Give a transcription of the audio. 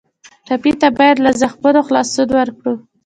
ټپي ته باید له زخمونو خلاصون ورکړو.